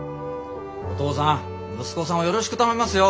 お父さん息子さんをよろしく頼みますよ！